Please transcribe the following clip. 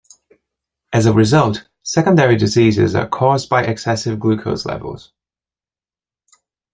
As a result, secondary diseases are caused by excessive glucose levels.